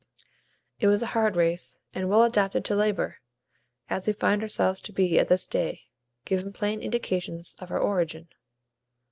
It was a hard race, and well adapted to labor, as we find ourselves to be at this day, giving plain indications of our origin.